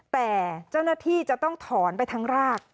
แต่เจ้าหน้าที่จะต้องถอนไปทั้งราก